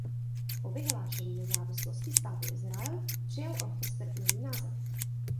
Po vyhlášení nezávislosti Státu Izrael přijal orchestr nový název.